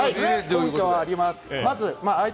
根拠はあります。